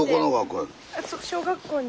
小学校に。